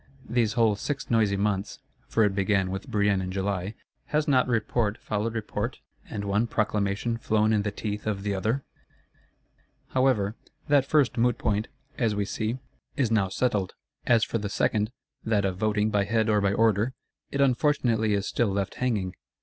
These whole six noisy months (for it began with Brienne in July,) has not Report followed Report, and one Proclamation flown in the teeth of the other? However, that first moot point, as we see, is now settled. As for the second, that of voting by Head or by Order, it unfortunately is still left hanging.